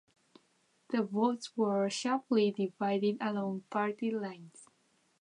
The votes were sharply divided along party lines.